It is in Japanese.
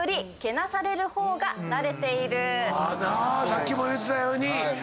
さっきも言うてたように。